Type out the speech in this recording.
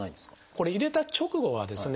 これ入れた直後はですね